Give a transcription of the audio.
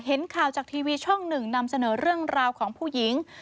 เห็นข่าวจากทีวีช่องหนึ่งนำเสนอเรื่องราวของผู้หญิง